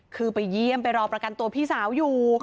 คือไปเยี่ยมไปรอประกันตัวพี่สาวอยู่